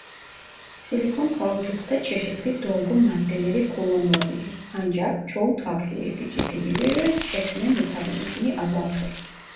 Silikon kauçukta çeşitli dolgu maddeleri kullanılabilir ancak çoğu takviye edici değildir ve çekme mukavemetini azaltır.